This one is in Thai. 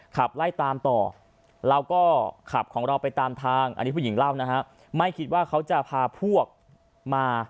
ขับไล่ตามต่อเราก็ขับของเราไปตามทางอันนี้ผู้หญิงเล่านะฮะไม่คิดว่าเขาจะพาพวกมา